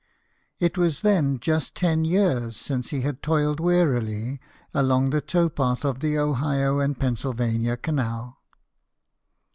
It was then just ten years since he had toiled wearily along the tow path of the Ohio and Pennsylvania Canal.